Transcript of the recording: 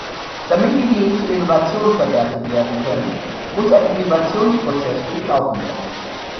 Damit Ideen zu Innovationen verwertet werden können, muss ein Innovationsprozess durchlaufen werden.